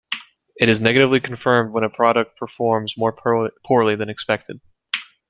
It is negatively confirmed when a product performs more poorly than expected.